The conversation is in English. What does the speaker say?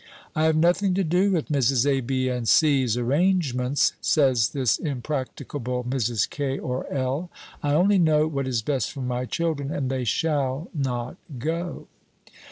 "I have nothing to do with Mrs. A., B., and C.'s arrangements," says this impracticable Mrs. K. or L. "I only know what is best for my children, and they shall not go."